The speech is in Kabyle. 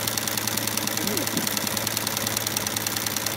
Ddem-it!